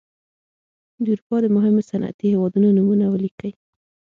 د اروپا د مهمو صنعتي هېوادونو نومونه ولیکئ.